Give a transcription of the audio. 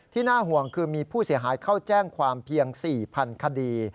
น่าห่วงคือมีผู้เสียหายเข้าแจ้งความเพียง๔๐๐คดี